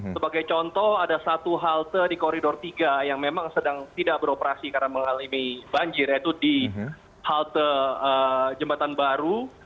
sebagai contoh ada satu halte di koridor tiga yang memang sedang tidak beroperasi karena mengalami banjir yaitu di halte jembatan baru